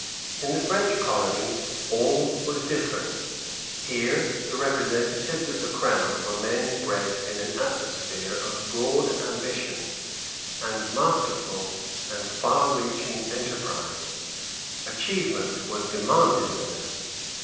In the French colonies all was different. Here the representatives of the Crown were men bred in an atmosphere of broad ambition and masterful and far reaching enterprise. Achievement was demanded of them.